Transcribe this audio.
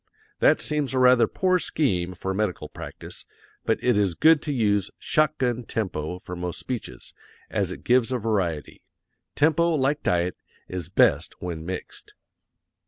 That seems a rather poor scheme for medical practice, but it is good to use "shot gun" tempo for most speeches, as it gives a variety. Tempo, like diet, is best when mixed.